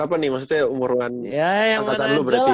apa nih maksudnya umur angkatan lo berarti ya